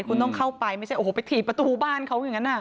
คุณต้องเข้าไปไม่ใช่โอ้โหไปถีบประตูบ้านเขาอย่างนั้น